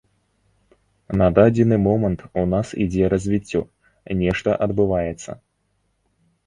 На дадзены момант у нас ідзе развіццё, нешта адбываецца.